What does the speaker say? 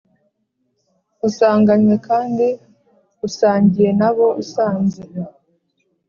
Usanganywe kandi usangiye n'abo usanze